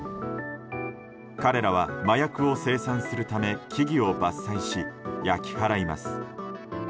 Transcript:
彼らは、麻薬を生産するため木々を伐採し、焼き払います。